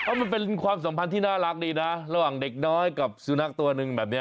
มันเป็นความสัมพันธ์ที่น่ารักดีนะระหว่างเด็กน้อยกับสุนัขตัวหนึ่งแบบนี้